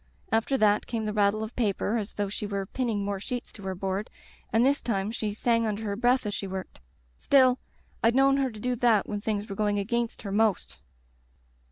After that came the rattle of paper as though the were pinning more sheets to her board, and this time she sang under her breath as she worked. Still, I'd known her to do that when things were going against her most.